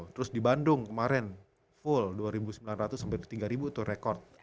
terus di bandung kemarin full dua sembilan ratus sampai tiga ribu tuh rekod